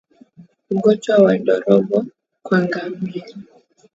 Ugonjwa wa ndorobo kwa ngamia